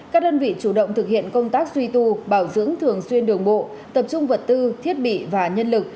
các đơn vị chủ động thực hiện công tác suy tu bảo dưỡng thường xuyên đường bộ tập trung vật tư thiết bị và nhân lực